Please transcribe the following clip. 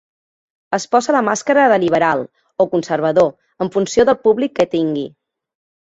Es posa la màscara de "liberal" o "conservador" en funció del públic que tingui.